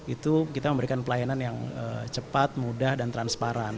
itu kita memberikan pelayanan yang cepat mudah dan transparan